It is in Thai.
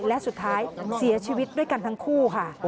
และสุดท้ายเสียชีวิตด้วยกันทั้งคู่ค่ะ